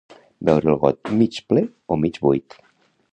Veure el got mig ple o mig buit.